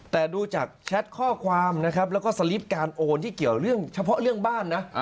แต่ดูจากแชทข้อความนะครับแล้วก็สลิปการโอนที่เกี่ยวเรื่องเฉพาะเรื่องบ้านนะ